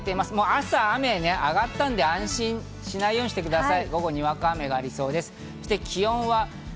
朝の雨が上がったので安心しないようにしてください。